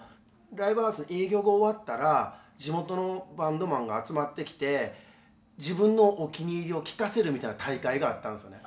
ライブハウス営業が終わったら地元のバンドマンが集まってきて自分のお気に入りを聴かせるみたいな大会があったんすね。